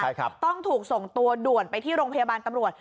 ใช่ครับต้องถูกส่งตัวด่วนไปที่โรงพยาบาลตำรวจ